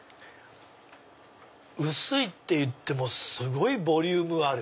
薄いっていってもすごいボリュームある。